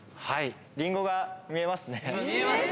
リンゴが見えますね。